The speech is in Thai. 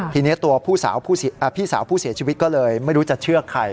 ทีนี้ตัวพี่สาวผู้เสียชีวิตก็เลยไม่รู้จะเชื่อใคร